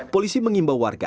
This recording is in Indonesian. polisi mengimbau warga